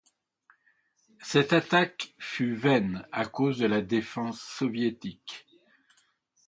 Cette attaque fut vaine à cause de la défense soviétique.